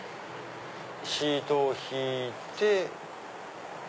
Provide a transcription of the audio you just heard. シートを敷いて。